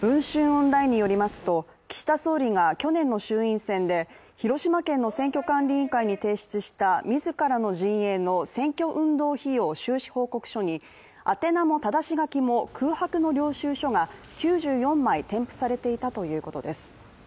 オンラインによりますと、岸田総理が去年の衆院選で広島県の選挙管理委員会に提出した自らの陣営の選挙運動費用収支報告書に宛名もただし書きも空白の領収書が９４枚添付されていたということです。